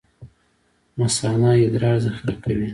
مثانه ادرار ذخیره کوي